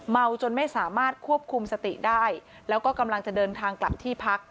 จนไม่สามารถควบคุมสติได้แล้วก็กำลังจะเดินทางกลับที่พัก